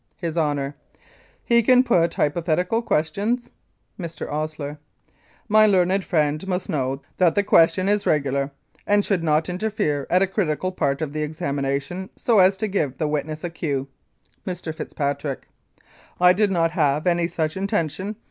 HIS HONOUR: He can put hypothetical questions. Mr. OSLER: My learned friend must know that the question is regular, and should not interfere at a critical part of the examination so as to give the witness a cue. Mr. FITZPATRICK: I did not have any such inten tion.